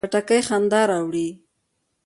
خټکی خندا راوړي.